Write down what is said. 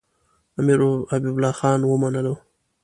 امیر حبیب الله خان ومنلو.